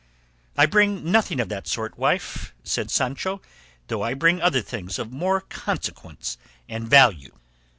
"I bring nothing of that sort, wife," said Sancho; "though I bring other things of more consequence and value."